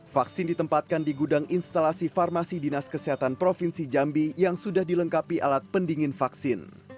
vaksin ditempatkan di gudang instalasi farmasi dinas kesehatan provinsi jambi yang sudah dilengkapi alat pendingin vaksin